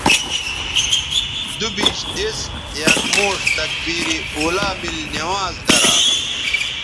دوبیش دِس یک موݜ تکبیر اولیٰ میل نماز گرا